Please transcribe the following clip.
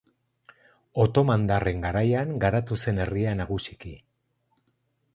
Otomandarren garaian garatu zen herria nagusiki.